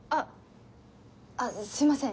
あすいません